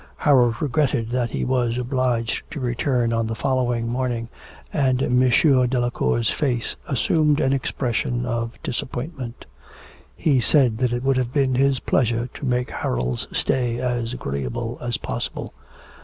Harold regretted that he was obliged to return on the following morning, and M. Delacour's face assumed an expression of disappointment. He said that it would have been his pleasure to make Harold's stay as agreeable as possible.